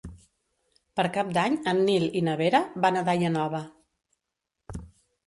Per Cap d'Any en Nil i na Vera van a Daia Nova.